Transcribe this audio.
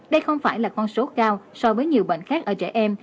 đây không phải là con số cao so với nhiều bệnh khác ở trẻ em